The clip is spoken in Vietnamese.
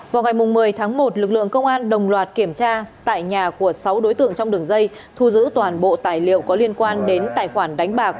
vào ngày một mươi tháng một lực lượng công an đồng loạt kiểm tra tại nhà của sáu đối tượng trong đường dây thu giữ toàn bộ tài liệu có liên quan đến tài khoản đánh bạc